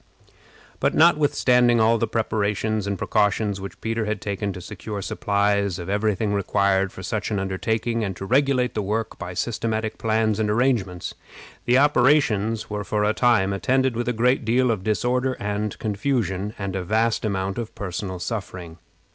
But, notwithstanding all the precautions which Peter had taken to secure supplies of every thing required for such an undertaking, and to regulate the work by systematic plans and arrangements, the operations were for a time attended with a great deal of disorder and confusion, and a vast amount of personal suffering.